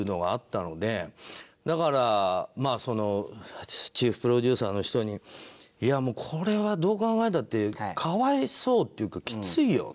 だからまあチーフプロデューサーの人にいやもうこれはどう考えたって可哀想っていうかきついよって。